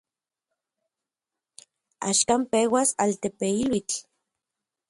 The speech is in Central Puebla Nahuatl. Axkan peuas altepeiluitl.